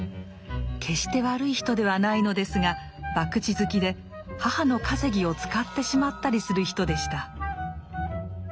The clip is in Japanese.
決して悪い人ではないのですが博打好きで母の稼ぎを使ってしまったりする人でした。